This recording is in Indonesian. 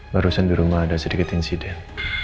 barusan di rumah ada sedikit insiden